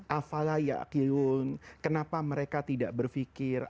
afalaya kilun kenapa mereka tidak berpikir